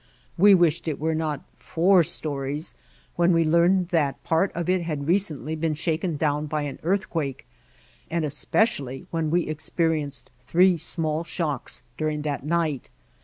We wished it were not four stories when we learned that part of it had recently been shaken down by an earthquake, and especially when we experi enced three small shocks during that night.